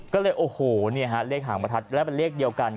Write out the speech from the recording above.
ก็เลยโอ้โหเนี่ยฮะเลขหางประทัดและเป็นเลขเดียวกัน